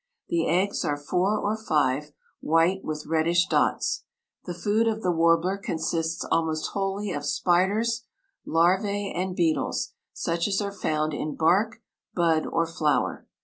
The eggs are four or five, white, with reddish dots. The food of the warbler consists almost wholly of spiders, larvæ, and beetles, such as are found in bark, bud, or flower.